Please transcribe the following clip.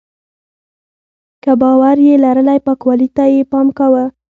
که باور یې لرلی پاکوالي ته یې پام کاوه.